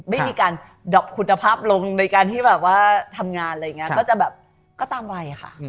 ไม่มีการดับคุณภาพลงในการที่ทำงานอะไรอย่างนี้ก็จะตามวัยค่ะ